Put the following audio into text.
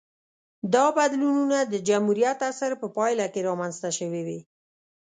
دا بدلونونه د جمهوریت عصر په پایله کې رامنځته شوې وې